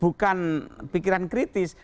bukan pikiran kritis